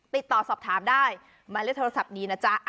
ติดต่อสอบถามได้มาเรียกโทรศัพท์ดีนะจ๊ะ